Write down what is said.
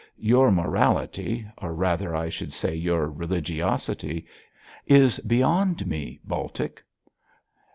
Your morality or rather I should say your religiosity is beyond me, Baltic.'